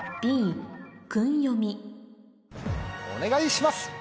お願いします！